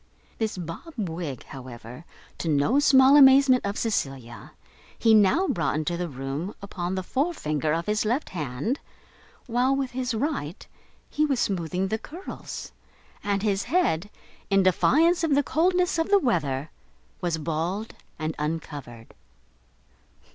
This bob wig, however, to the no small amazement of Cecilia, he now brought into the room upon the forefinger of his left hand, while, with his right, he was smoothing the curls; and his head, in defiance of the coldness of the weather, was bald and uncovered.